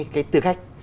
cái tư cách